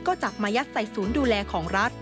ก็จับมายัดใส่ศูนย์ดูแลของรัฐ